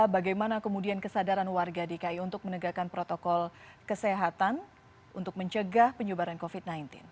bagaimana kemudian kesadaran warga dki untuk menegakkan protokol kesehatan untuk mencegah penyebaran covid sembilan belas